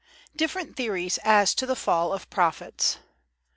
Different Theories as to the fall of Profits.